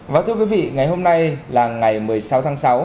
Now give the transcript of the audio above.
và thưa quý vị ngày hôm nay là ngày một mươi sáu tháng sáu